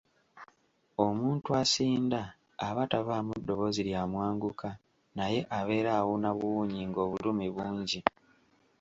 Omuntu asinda aba tavaamu ddoboozi lya mwanguka naye abeera awuuna buwuunyi ng'obulumi bungi.